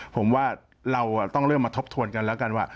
ผมว่าเราต้องเริ่มมาทบทวนกันแล้วกันว่า